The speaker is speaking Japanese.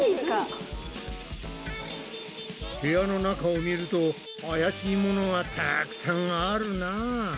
部屋の中を見るとあやしいものがたくさんあるな。